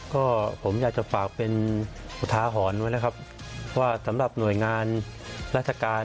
ก็ผมอยากจะฝากเป็นอุทาหรณ์ไว้นะครับว่าสำหรับหน่วยงานราชการ